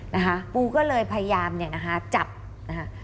นะคะปูก็เลยพยายามจับนะคะ